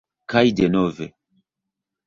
Kaj denove.